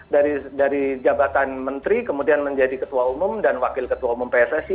dari jabatan menteri kemudian menjadi ketua umum dan wakil ketua umum pssi